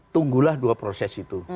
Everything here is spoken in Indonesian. tunggulah dua proses itu